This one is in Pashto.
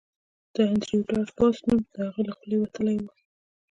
د انډریو ډاټ باس نوم د هغه له خولې وتلی و